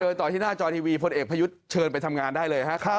ต่อที่หน้าจอทีวีพลเอกประยุทธ์เชิญไปทำงานได้เลยฮะ